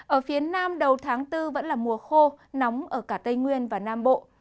ở phía nam đầu tháng bốn vẫn là mùa khô nóng ở cả tây nguyên và nam bộ